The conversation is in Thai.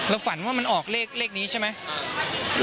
ฝันว่ามันออกเลขนี้ใช่ไหม